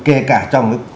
kể cả trong